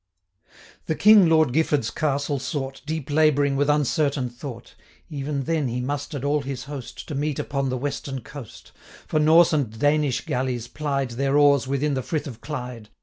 'The King Lord Gifford's castle sought, Deep labouring with uncertain thought; Even then he mustered all his host, 350 To meet upon the western coast; For Norse and Danish galleys plied Their oars within the Frith of Clyde.